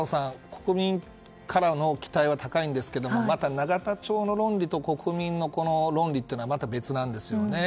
国民からの期待は高いんですけれども永田町の論理と、国民の論理はまた別なんですよね。